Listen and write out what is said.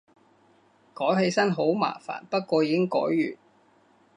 改起身好麻煩，不過已經改完